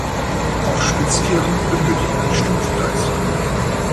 Auch Spitzkehren benötigen ein Stumpfgleis.